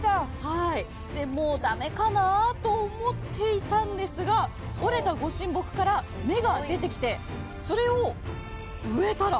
もう駄目かと思っていたんですが折れたご神木から芽が出てきてそれを植えたら。